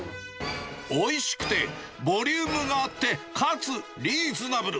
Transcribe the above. おいしくて、ボリュームがあって、かつリーズナブル。